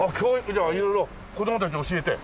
じゃあ色々子供たちに教えて。